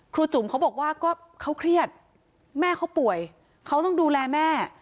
จุ๋มเขาบอกว่าก็เขาเครียดแม่เขาป่วยเขาต้องดูแลแม่